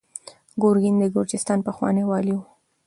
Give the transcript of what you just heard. ګورګین د ګرجستان پخوانی والي و.